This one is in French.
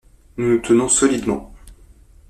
Nous nous tenons solidement...